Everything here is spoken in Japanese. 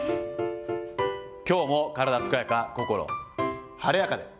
きょうも体健やか、心晴れやかで。